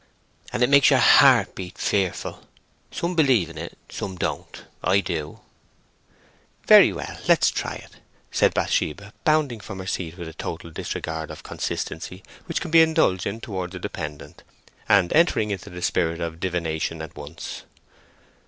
"And it makes your heart beat fearful. Some believe in it; some don't; I do." "Very well, let's try it," said Bathsheba, bounding from her seat with that total disregard of consistency which can be indulged in towards a dependent, and entering into the spirit of divination at once.